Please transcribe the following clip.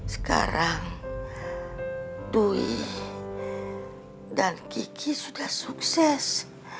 sekarang dwi dan kiki sudah sukses